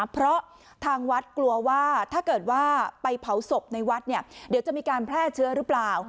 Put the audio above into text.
เพราะทางวัดกลัวว่าถ้าเกิดว่าไปเผาศพในวัดเนี่ยเดี๋ยวจะมีการแพร่เชื้อหรือเปล่า